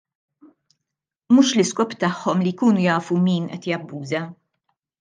Mhux l-iskop tagħhom li jkunu jafu min qed jabbuża.